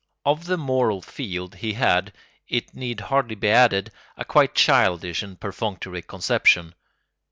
] Of the moral field he had, it need hardly be added, a quite childish and perfunctory conception.